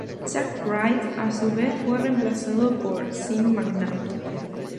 Chuck Wright a su vez fue reemplazado por Sean McNabb.